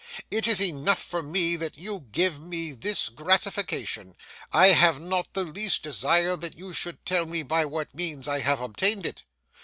'It is enough for me that you give me this gratification. I have not the least desire that you should tell me by what means I have obtained it.